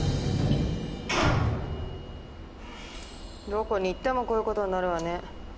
どこに行ってもこういう事になるわね。